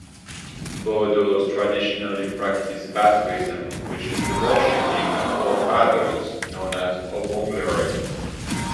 Bodos traditionally practise Bathouism, which is the worshiping of forefathers, known as Obonglaoree.